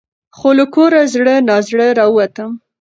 خو له کوره زړه نا زړه راوتم .